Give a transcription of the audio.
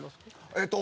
えっと